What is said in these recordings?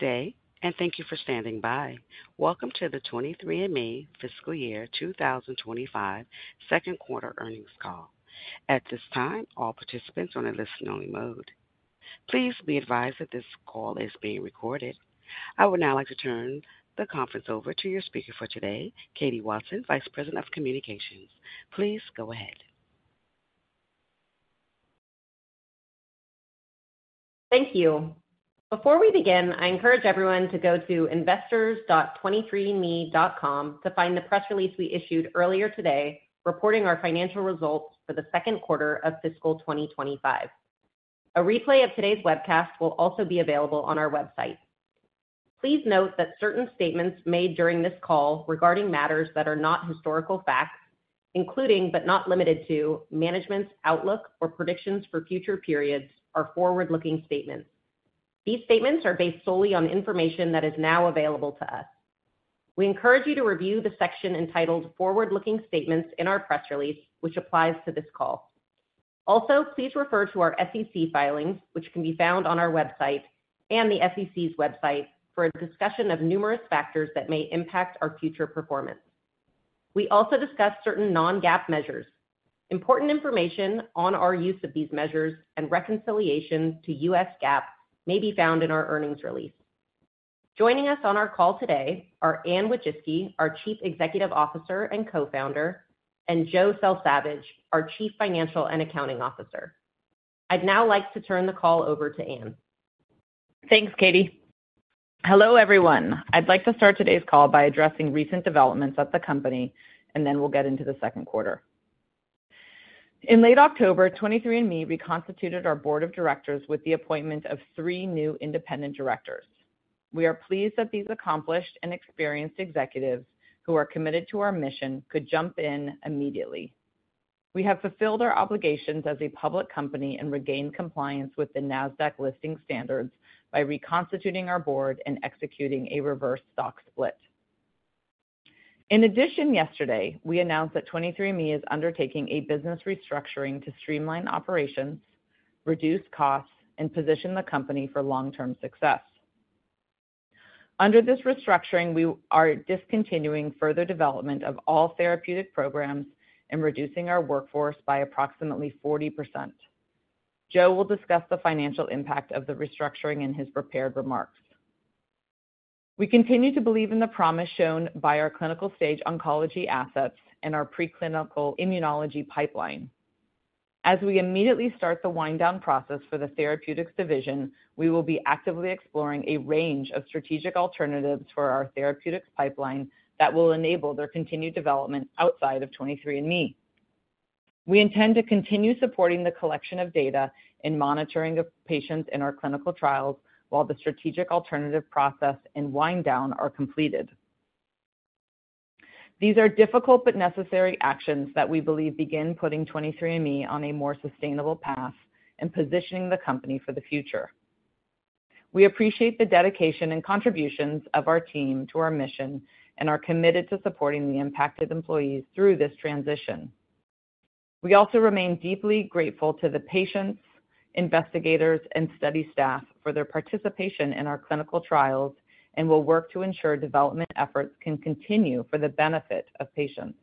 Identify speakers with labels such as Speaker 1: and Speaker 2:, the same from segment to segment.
Speaker 1: Thank you for standing by. Welcome to the 23andMe fiscal year 2025 second quarter earnings call. At this time, all participants are in a listen-only mode. Please be advised that this call is being recorded. I would now like to turn the conference over to your speaker for today, Katie Watson, Vice President of Communications. Please go ahead.
Speaker 2: Thank you. Before we begin, I encourage everyone to go to investors.23andMe.com to find the press release we issued earlier today reporting our financial results for the second quarter of fiscal 2025. A replay of today's webcast will also be available on our website. Please note that certain statements made during this call regarding matters that are not historical facts, including but not limited to management's outlook or predictions for future periods, are forward-looking statements. These statements are based solely on information that is now available to us. We encourage you to review the section entitled Forward-Looking Statements in our press release, which applies to this call. Also, please refer to our SEC filings, which can be found on our website and the SEC's website, for a discussion of numerous factors that may impact our future performance. We also discuss certain non-GAAP measures. Important information on our use of these measures and reconciliation to U.S. GAAP may be found in our earnings release. Joining us on our call today are Anne Wojcicki, our Chief Executive Officer and Co-founder, and Joe Selsavage, our Chief Financial and Accounting Officer. I'd now like to turn the call over to Anne.
Speaker 3: Thanks Katie. Hello, everyone. I'd like to start today's call by addressing recent developments at the company, and then we'll get into the second quarter. In late October, 23andMe reconstituted our board of directors with the appointment of three new independent directors. We are pleased that these accomplished and experienced executives who are committed to our mission could jump in immediately. We have fulfilled our obligations as a public company and regained compliance with the NASDAQ listing standards by reconstituting our board and executing a reverse stock split. In addition, yesterday, we announced that 23andMe is undertaking a business restructuring to streamline operations, reduce costs, and position the company for long-term success. Under this restructuring, we are discontinuing further development of all therapeutic programs and reducing our workforce by approximately 40%. Joe will discuss the financial impact of the restructuring in his prepared remarks. We continue to believe in the promise shown by our clinical stage oncology assets and our preclinical immunology pipeline. As we immediately start the wind-down process for the therapeutics division, we will be actively exploring a range of strategic alternatives for our therapeutics pipeline that will enable their continued development outside of 23andMe. We intend to continue supporting the collection of data and monitoring of patients in our clinical trials while the strategic alternative process and wind-down are completed. These are difficult but necessary actions that we believe begin putting 23andMe on a more sustainable path and positioning the company for the future. We appreciate the dedication and contributions of our team to our mission and are committed to supporting the impacted employees through this transition. We also remain deeply grateful to the patients, investigators, and study staff for their participation in our clinical trials and will work to ensure development efforts can continue for the benefit of patients.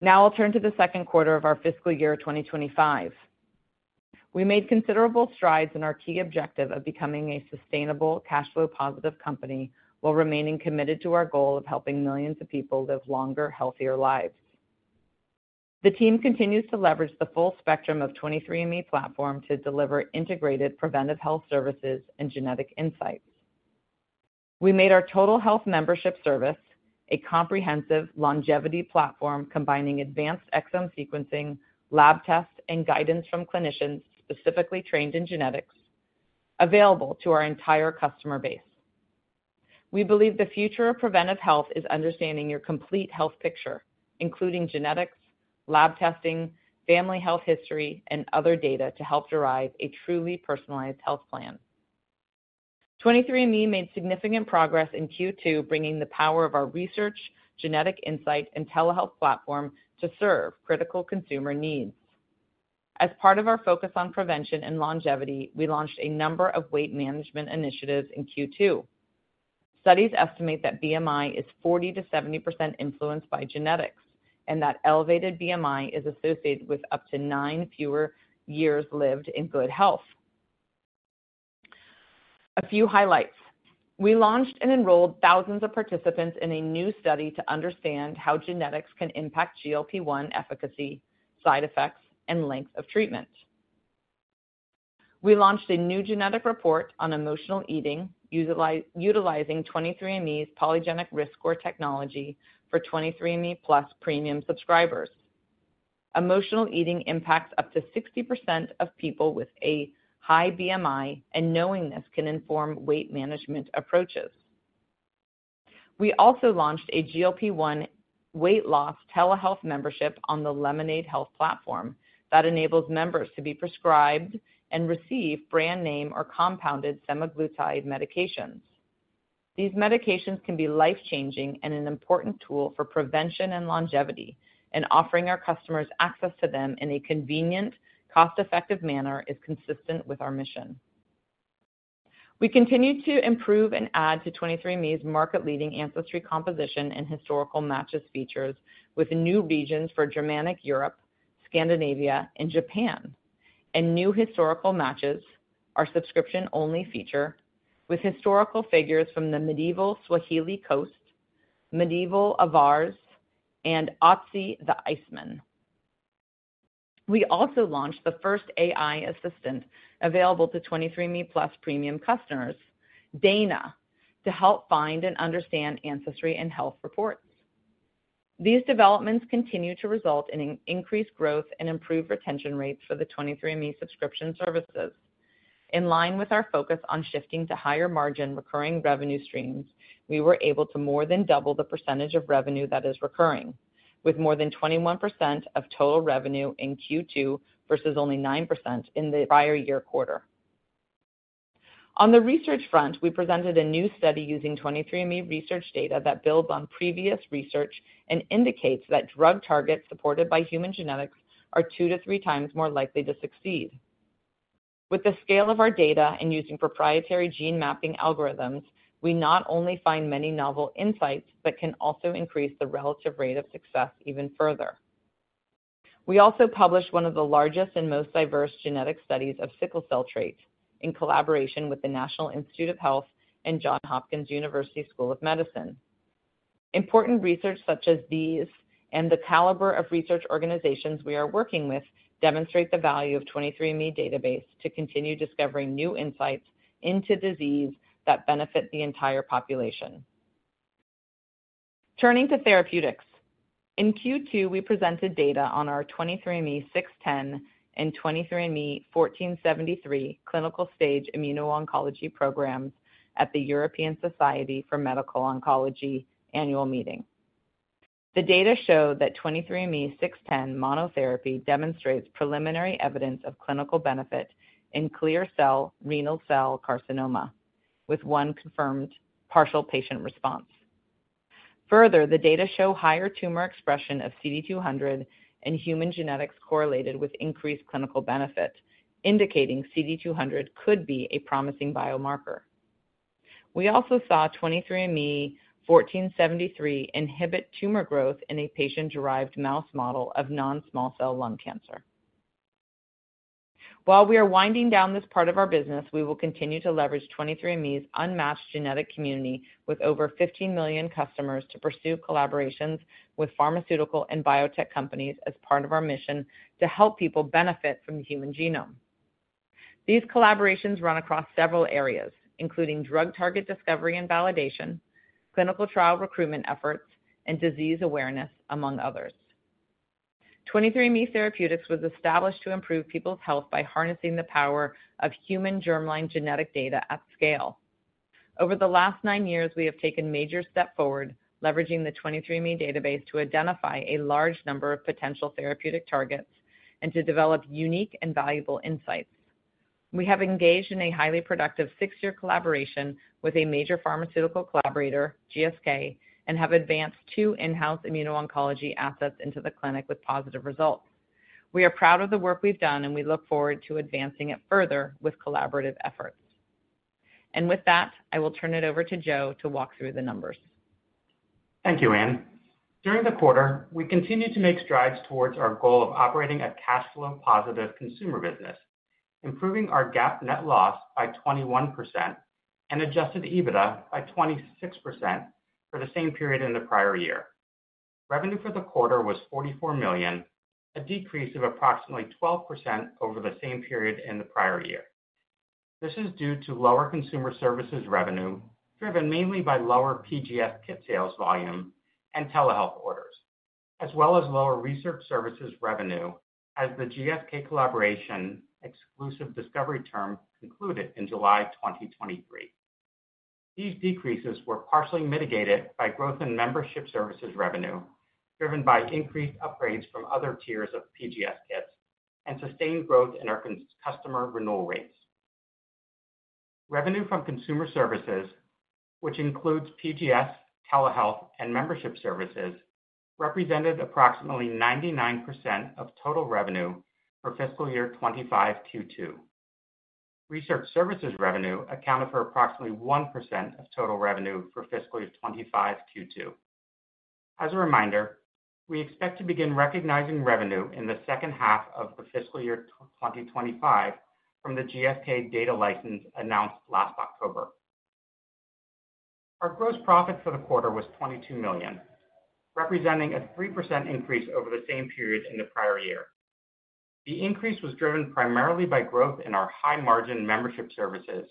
Speaker 3: Now I'll turn to the second quarter of our fiscal year 2025. We made considerable strides in our key objective of becoming a sustainable, cash-flow-positive company while remaining committed to our goal of helping millions of people live longer, healthier lives. The team continues to leverage the full spectrum of 23andMe platform to deliver integrated preventive health services and genetic insights. We made our Total Health membership service a comprehensive longevity platform combining advanced exome sequencing, lab tests, and guidance from clinicians specifically trained in genetics available to our entire customer base. We believe the future of preventive health is understanding your complete health picture, including genetics, lab testing, family health history, and other data to help derive a truly personalized health plan. 23andMe made significant progress in Q2, bringing the power of our research, genetic insight, and telehealth platform to serve critical consumer needs. As part of our focus on prevention and longevity, we launched a number of weight management initiatives in Q2. Studies estimate that BMI is 40%-70% influenced by genetics and that elevated BMI is associated with up to nine fewer years lived in good health. A few highlights. We launched and enrolled thousands of participants in a new study to understand how genetics can impact GLP-1 efficacy, side effects, and length of treatment. We launched a new genetic report on emotional eating, utilizing 23andMe's Polygenic Risk Score technology for 23andMe Premium subscribers. Emotional eating impacts up to 60% of people with a high BMI, and knowing this can inform weight management approaches. We also launched a GLP-1 weight loss telehealth membership on the Lemonaid Health platform that enables members to be prescribed and receive brand name or compounded semaglutide medications. These medications can be life-changing and an important tool for prevention and longevity, and offering our customers access to them in a convenient, cost-effective manner is consistent with our mission. We continue to improve and add to 23andMe's market-leading ancestry composition and historical matches features with new regions for Germanic Europe, Scandinavia, and Japan, and new historical matches are subscription-only feature with historical figures from the medieval Swahili coast, medieval Avars, and Ötzi the Iceman. We also launched the first AI assistant available to 23andMe+ Premium customers, Dana, to help find and understand ancestry and health reports. These developments continue to result in increased growth and improved retention rates for the 23andMe subscription services. In line with our focus on shifting to higher margin recurring revenue streams, we were able to more than double the percentage of revenue that is recurring, with more than 21% of total revenue in Q2 versus only 9% in the prior year quarter. On the research front, we presented a new study using 23andMe research data that builds on previous research and indicates that drug targets supported by human genetics are two to three times more likely to succeed. With the scale of our data and using proprietary gene mapping algorithms, we not only find many novel insights, but can also increase the relative rate of success even further. We also published one of the largest and most diverse genetic studies of sickle cell traits in collaboration with the National Institutes of Health and Johns Hopkins University School of Medicine. Important research such as these and the caliber of research organizations we are working with demonstrate the value of the 23andMe database to continue discovering new insights into disease that benefit the entire population. Turning to therapeutics, in Q2, we presented data on our 23andMe 610 and 23andMe 1473 clinical stage immuno-oncology programs at the European Society for Medical Oncology annual meeting. The data show that 23andMe 610 monotherapy demonstrates preliminary evidence of clinical benefit in clear cell renal cell carcinoma, with one confirmed partial patient response. Further, the data show higher tumor expression of CD200 in human genetics correlated with increased clinical benefit, indicating CD200 could be a promising biomarker. We also saw 23andMe 1473 inhibit tumor growth in a patient-derived mouse model of non-small cell lung cancer. While we are winding down this part of our business, we will continue to leverage 23andMe's unmatched genetic community with over 15 million customers to pursue collaborations with pharmaceutical and biotech companies as part of our mission to help people benefit from the human genome. These collaborations run across several areas, including drug target discovery and validation, clinical trial recruitment efforts, and disease awareness, among others. 23andMe Therapeutics was established to improve people's health by harnessing the power of human germline genetic data at scale. Over the last nine years, we have taken major steps forward, leveraging the 23andMe database to identify a large number of potential therapeutic targets and to develop unique and valuable insights. We have engaged in a highly productive six-year collaboration with a major pharmaceutical collaborator, GSK, and have advanced two in-house immuno-oncology assets into the clinic with positive results. We are proud of the work we've done, and we look forward to advancing it further with collaborative efforts, and with that, I will turn it over to Joe to walk through the numbers.
Speaker 4: Thank you Anne. During the quarter, we continued to make strides towards our goal of operating a cash-flow-positive consumer business, improving our GAAP net loss by 21% and Adjusted EBITDA by 26% for the same period in the prior year. Revenue for the quarter was $44 million, a decrease of approximately 12% over the same period in the prior year. This is due to lower consumer services revenue, driven mainly by lower PGS kit sales volume and telehealth orders, as well as lower research services revenue, as the GSK collaboration exclusive discovery term concluded in July 2023. These decreases were partially mitigated by growth in membership services revenue, driven by increased upgrades from other tiers of PGS kits, and sustained growth in our customer renewal rates. Revenue from consumer services, which includes PGS, telehealth, and membership services, represented approximately 99% of total revenue for fiscal year 2025-Q2. Research services revenue accounted for approximately 1% of total revenue for fiscal year 2025-Q2. As a reminder, we expect to begin recognizing revenue in the second half of the fiscal year 2025 from the GSK data license announced last October. Our gross profit for the quarter was $22 million, representing a 3% increase over the same period in the prior year. The increase was driven primarily by growth in our high-margin membership services,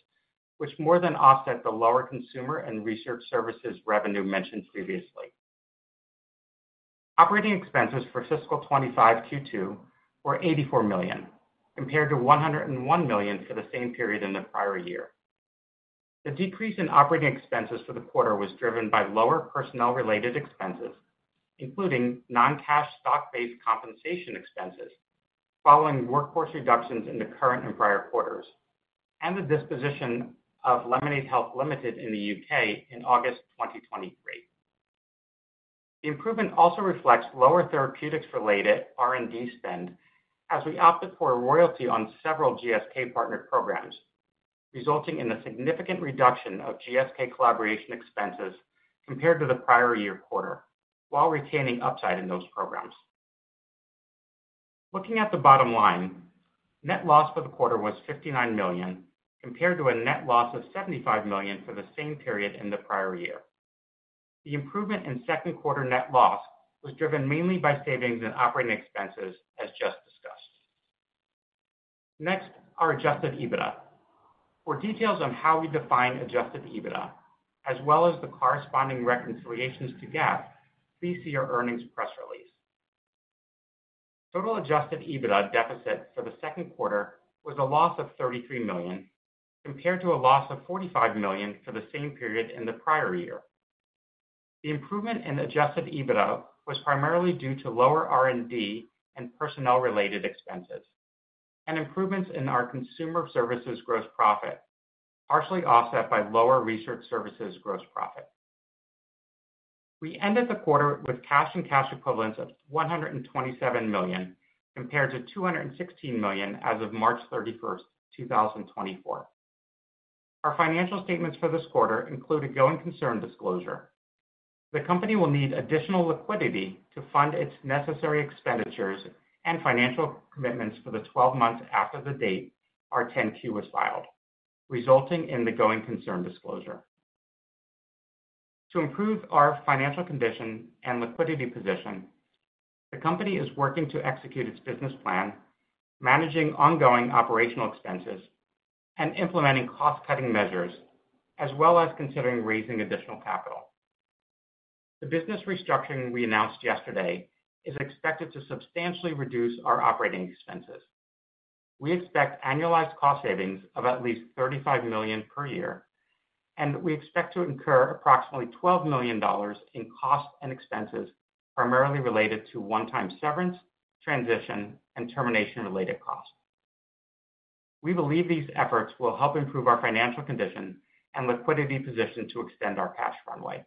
Speaker 4: which more than offset the lower consumer and research services revenue mentioned previously. Operating expenses for fiscal 2025-Q2 were $84 million, compared to $101 million for the same period in the prior year. The decrease in operating expenses for the quarter was driven by lower personnel-related expenses, including non-cash stock-based compensation expenses following workforce reductions in the current and prior quarters, and the disposition of Lemonade Health Limited in the U.K. in August 2023. The improvement also reflects lower therapeutics-related R&D spend as we opted for a royalty on several GSK partner programs, resulting in a significant reduction of GSK collaboration expenses compared to the prior year quarter, while retaining upside in those programs. Looking at the bottom line, net loss for the quarter was $59 million, compared to a net loss of $75 million for the same period in the prior year. The improvement in second quarter net loss was driven mainly by savings in operating expenses, as just discussed. Next, our Adjusted EBITDA. For details on how we define Adjusted EBITDA, as well as the corresponding reconciliations to GAAP, please see our earnings press release. Total adjusted EBITDA deficit for the second quarter was a loss of $33 million, compared to a loss of $45 million for the same period in the prior year. The improvement in Adjusted EBITDA was primarily due to lower R&D and personnel-related expenses, and improvements in our consumer services gross profit, partially offset by lower research services gross profit. We ended the quarter with cash and cash equivalents of $127 million, compared to $216 million as of March 31st, 2024. Our financial statements for this quarter include a going concern disclosure. The company will need additional liquidity to fund its necessary expenditures and financial commitments for the 12 months after the date our 10-Q was filed, resulting in the going concern disclosure. To improve our financial condition and liquidity position, the company is working to execute its business plan, managing ongoing operational expenses, and implementing cost-cutting measures, as well as considering raising additional capital. The business restructuring we announced yesterday is expected to substantially reduce our operating expenses. We expect annualized cost savings of at least $35 million per year, and we expect to incur approximately $12 million in costs and expenses primarily related to one-time severance, transition, and termination-related costs. We believe these efforts will help improve our financial condition and liquidity position to extend our cash runway.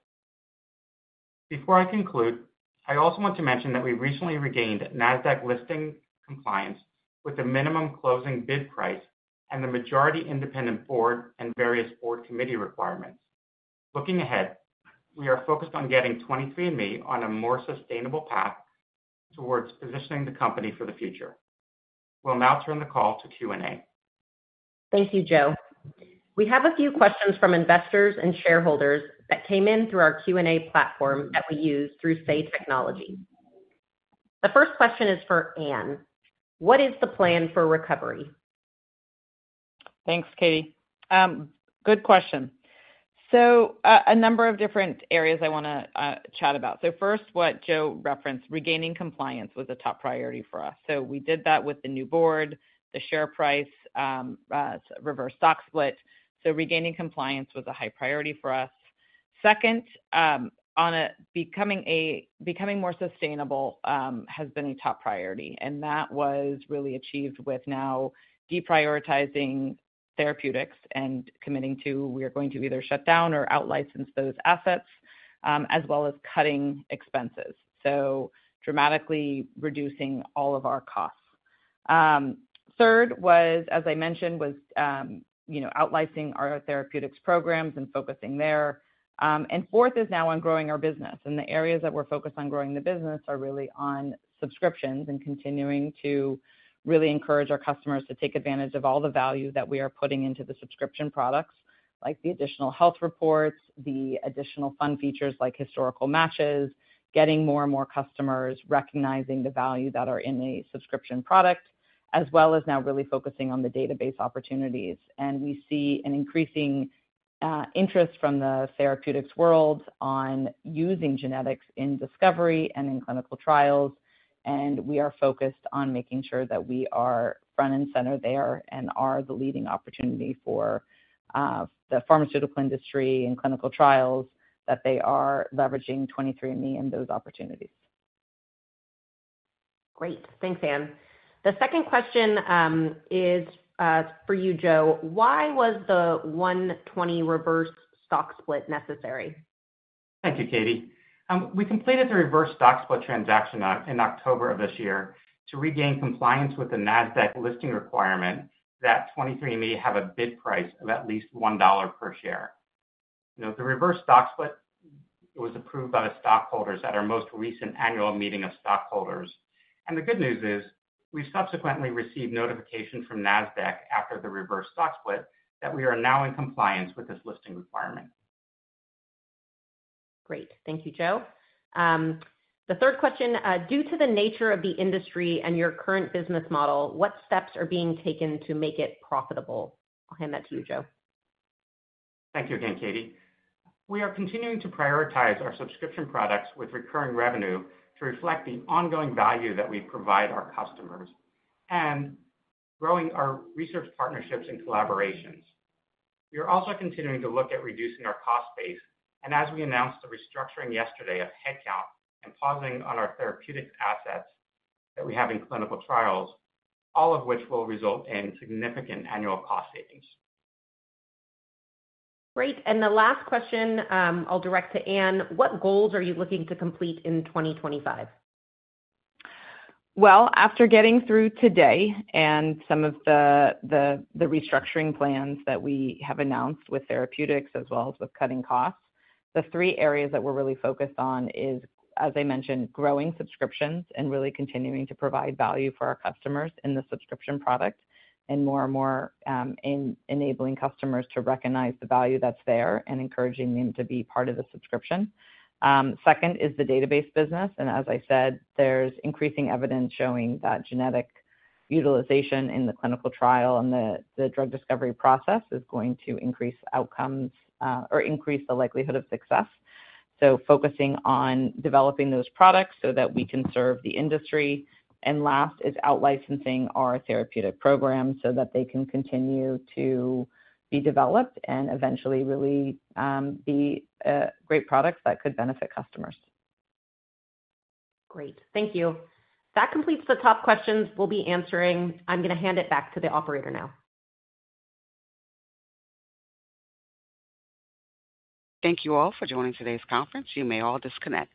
Speaker 4: Before I conclude, I also want to mention that we recently regained NASDAQ listing compliance with the minimum closing bid price and the majority independent board and various board committee requirements. Looking ahead, we are focused on getting 23andMe on a more sustainable path towards positioning the company for the future. We'll now turn the call to Q&A.
Speaker 2: Thank you, Joe. We have a few questions from investors and shareholders that came in through our Q&A platform that we use through Say Technologies. The first question is for Anne. What is the plan for recovery?
Speaker 3: Thanks Katie. Good question. So a number of different areas I want to chat about. So first, what Joe referenced, regaining compliance was a top priority for us. So we did that with the new board, the share price, reverse stock split. So regaining compliance was a high priority for us. Second, becoming more sustainable has been a top priority, and that was really achieved with now deprioritizing therapeutics and committing to we are going to either shut down or out-license those assets, as well as cutting expenses, so dramatically reducing all of our costs. Third was, as I mentioned, out-licensing our therapeutics programs and focusing there. And fourth is now on growing our business. The areas that we're focused on growing the business are really on subscriptions and continuing to really encourage our customers to take advantage of all the value that we are putting into the subscription products, like the additional health reports, the additional fun features like historical matches, getting more and more customers, recognizing the value that are in a subscription product, as well as now really focusing on the database opportunities. We see an increasing interest from the therapeutics world on using genetics in discovery and in clinical trials. We are focused on making sure that we are front and center there and are the leading opportunity for the pharmaceutical industry and clinical trials that they are leveraging 23andMe and those opportunities.
Speaker 2: Great. Thanks Anne. The second question is for you, Joe. Why was the 120 reverse stock split necessary?
Speaker 4: Thank you Katie. We completed the reverse stock split transaction in October of this year to regain compliance with the NASDAQ listing requirement that 23andMe have a bid price of at least $1 per share. The reverse stock split was approved by the stockholders at our most recent annual meeting of stockholders, and the good news is we've subsequently received notification from NASDAQ after the reverse stock split that we are now in compliance with this listing requirement.
Speaker 2: Great. Thank you Joe. The third question, due to the nature of the industry and your current business model, what steps are being taken to make it profitable? I'll hand that to you, Joe.
Speaker 4: Thank you again, Katie. We are continuing to prioritize our subscription products with recurring revenue to reflect the ongoing value that we provide our customers and growing our research partnerships and collaborations. We are also continuing to look at reducing our cost base, and as we announced the restructuring yesterday of headcount and pausing on our therapeutics assets that we have in clinical trials, all of which will result in significant annual cost savings.
Speaker 2: Great. And the last question I'll direct to Anne. What goals are you looking to complete in 2025?
Speaker 3: After getting through today and some of the restructuring plans that we have announced with therapeutics, as well as with cutting costs, the three areas that we're really focused on is, as I mentioned, growing subscriptions and really continuing to provide value for our customers in the subscription product and more and more enabling customers to recognize the value that's there and encouraging them to be part of the subscription. Second is the database business. And as I said, there's increasing evidence showing that genetic utilization in the clinical trial and the drug discovery process is going to increase outcomes or increase the likelihood of success. So focusing on developing those products so that we can serve the industry. And last is out-licensing our therapeutic programs so that they can continue to be developed and eventually really be great products that could benefit customers.
Speaker 2: Great. Thank you. That completes the top questions we'll be answering. I'm going to hand it back to the operator now.
Speaker 1: Thank you all for joining today's conference. You may all disconnect.